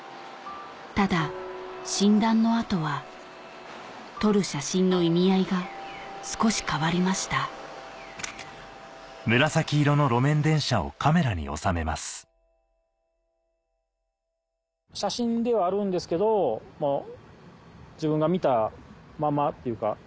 ただ診断の後は撮る写真の意味合いが少し変わりました写真ではあるんですけど自分が見たままっていうか。